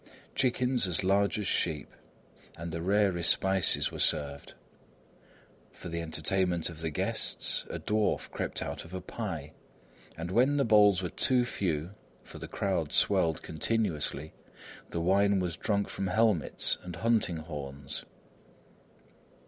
Chickens as large as sheep, and the rarest spices were served; for the entertainment of the guests, a dwarf crept out of a pie; and when the bowls were too few, for the crowd swelled continuously, the wine was drunk from helmets and hunting horns.